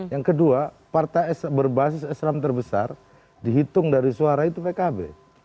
yang kedua partai berbasis islam terbesar dihitung dari suara itu pkb